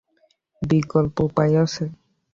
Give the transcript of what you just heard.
বিকল্প উপায় আছে?